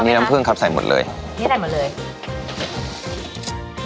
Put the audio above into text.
อันนี้น้ำพรื่องครับใส่หมดเลยเนี้ยใส่หมดเลย